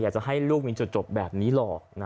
จะให้ลูกมีจุดจบแบบนี้หรอก